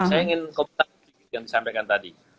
saya ingin komentar sedikit yang disampaikan tadi